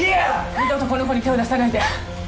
二度とこの子に手を出さないで。